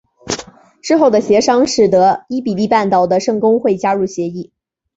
之后的协商使得伊比利半岛的圣公会加入协议。